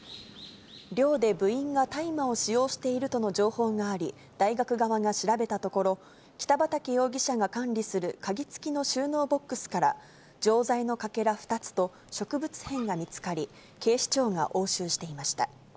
寮で部員が大麻を使用としているとの情報があり、大学側が調べたところ、北畠容疑者が管理する鍵付きの収納ボックスから、錠剤のかけら２つと植物片が見つかり、警視庁が押収していました。